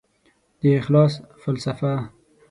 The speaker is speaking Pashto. د اخلاص فلسفه